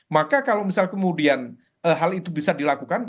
maka kalau misal kemudian hal itu bisa dilakukan